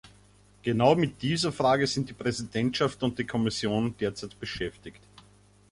Genau mit dieser Frage sind die Präsidentschaft und die Kommission derzeit beschäftigt.